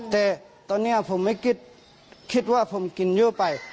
แต่ตอนนี้ผมไม่คิดคิดว่าผมกินเยอะไป